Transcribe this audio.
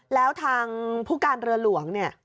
แล้วทางผู้การเรือหลวงเนี่ย